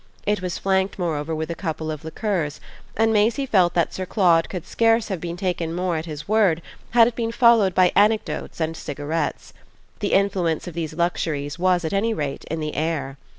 It was flanked moreover with a couple of liqueurs, and Maisie felt that Sir Claude could scarce have been taken more at his word had it been followed by anecdotes and cigarettes. The influence of these luxuries was at any rate in the air.